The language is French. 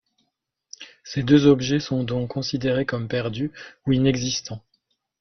Ces deux objets sont donc considérés comme perdus ou inexistants.